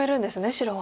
白は。